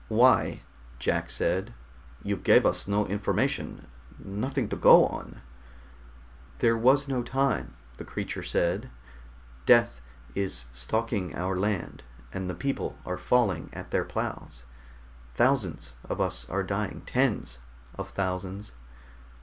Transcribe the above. "Why?" Jack said. "You gave us no information, nothing to go on." "There was no time," the creature said. "Death is stalking our land, and the people are falling at their plows. Thousands of us are dying, tens of thousands.